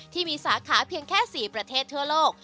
ที่มีสาขาเพียงแค่๔ประเทศทั่วโลก